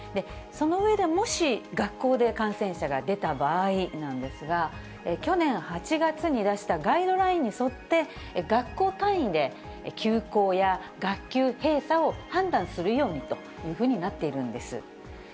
その上で、もし学校で感染者が出た場合なんですが、去年８月に出したガイドラインに沿って、学校単位で休校や学級閉鎖を判断するようにというふうになっているんです。